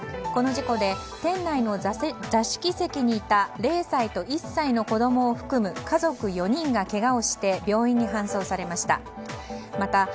この事故で店内の座敷席にいた０歳と１歳の子供を含む家族４人がけがをして病院に搬送されました。